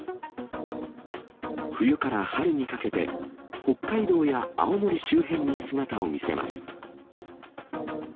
冬から春にかけて、北海道や青森周辺に姿を見せます。